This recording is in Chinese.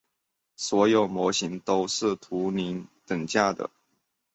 所有模型都是图灵等价的。